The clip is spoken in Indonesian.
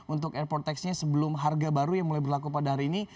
untuk airport tax nya sebelum harga baru yang mulai berlaku pada hari ini